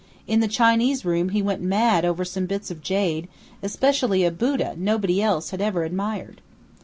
In the Chinese room he went mad over some bits of jade, especially a Buddha nobody else had ever admired."